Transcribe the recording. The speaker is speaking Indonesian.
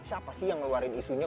siapa sih yang ngeluarin isunya